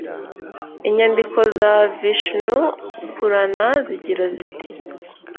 inyandiko za vishnu purana zigira ziti